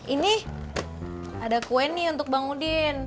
ini ada kue nih untuk bang udin